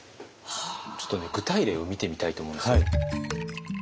ちょっとね具体例を見てみたいと思うんですけど。